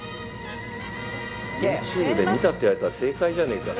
ＹｏｕＴｕｂｅで見たって言われたら正解じゃねえか。